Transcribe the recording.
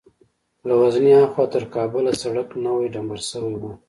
له غزني ها خوا تر کابله سړک نوى ډمبر سوى و.